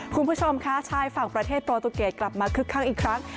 คุณผู้ชมคะชายฝั่งประเทศโปรตุเกตกลับมาคึกคักอีกครั้ง